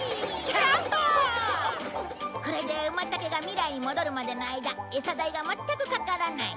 これでウマタケが未来に戻るまでの間餌代がまったくかからない。